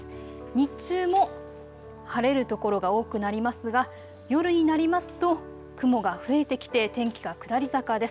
日中も晴れる所が多くなりますが、夜になりますと雲が増えてきて天気が下り坂です。